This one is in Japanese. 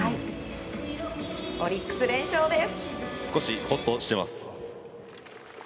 オリックス連勝です。